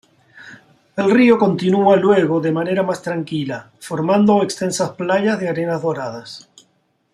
El río continúa luego de manera más tranquila formando extensas playas de arenas doradas.